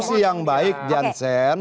di diskusi yang baik jansen